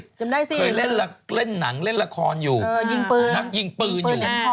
เคยเล่นหนังเล่นละครอยู่นักยิงปืนอยู่